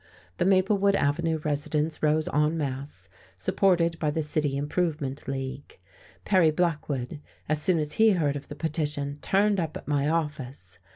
The Maplewood Avenue residents rose en masse, supported by the City Improvement League. Perry Blackwood, as soon as he heard of the petition, turned up at my office.